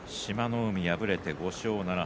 海敗れて５勝７敗。